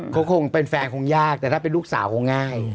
เขาคงเป็นแฟนคงยากแต่ถ้าเป็นลูกสาวคงง่าย